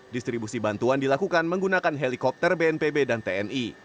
distribusi bantuan dilakukan menggunakan helikopter bnpb dan tni